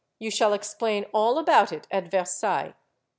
You shall ex plain all about it at Versailles."